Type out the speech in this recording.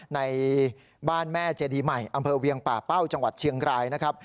ในบ้านแม่เจดีใหม่อำเภอเวียงป่าเป้าจังหวัดเชียงรายนะครับ